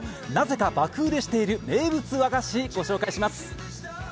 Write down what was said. なぜか爆売れしている名物和菓子、御紹介します。